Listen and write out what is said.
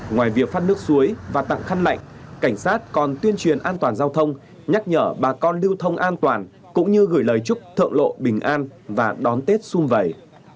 ngoài việc phát nước suối và tặng khăn lạnh cảnh sát còn tuyên truyền an toàn giao thông nhắc nhở bà con lưu thông an toàn cũng như gửi lời chúc thợ lộ bình an và đón tết xung vầy